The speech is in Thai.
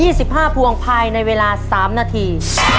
ได้๒๕พวงภายในเวลา๓นาที